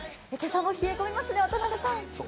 今朝も冷え込みますね、渡辺さん。